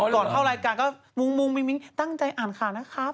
ก่อนเข้ารายการก็บุ้งมุ่งบิ๊บนี้ตั้งใจอ่านคราวนะครับ